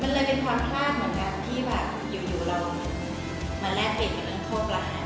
มันเลยเป็นความพลาดเหมือนกันที่แบบอยู่เรามาแลกเปลี่ยนกับเรื่องโทษประหาร